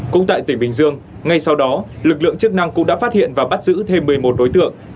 cũng tại tỉnh bình dương ngay sau đó lực lượng chức năng cũng đã phát hiện và bắt giữ thêm một mươi một đối tượng